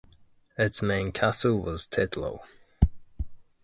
Its main castle was Teterow.